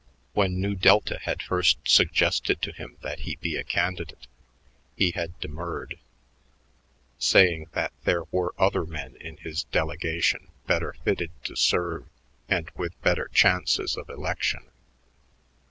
When Nu Delta had first suggested to him that he be a candidate, he had demurred, saying that there were other men in his delegation better fitted to serve and with better chances of election.